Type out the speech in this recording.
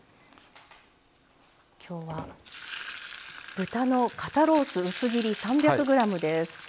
きょうは豚の肩ロース薄切り３００ｇです。